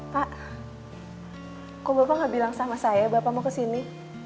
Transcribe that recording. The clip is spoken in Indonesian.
pak kok bapak nggak bilang sama saya bapak mau kesini